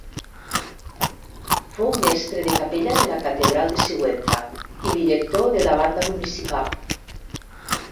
Fou mestre de capella de la catedral de Sigüenza i director de la banda municipal.